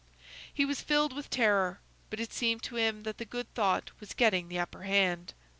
He was filled with terror; but it seemed to him that the good thought was getting the upper hand.